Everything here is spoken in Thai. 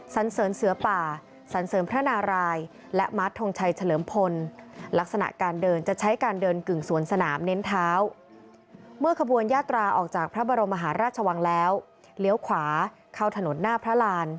สันเสริมเสื้อป่าสันเสริมพระนารายและมัธรทงชัยเฉลิมพล